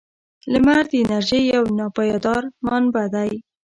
• لمر د انرژۍ یو ناپایدار منبع دی.